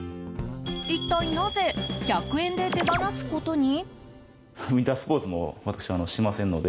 一体なぜ１００円で手放すことに？